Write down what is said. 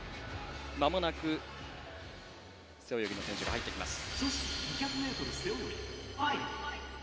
まもなく背泳ぎの選手が入ってきます。